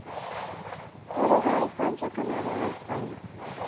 Uruguay, Francia, Canada y España.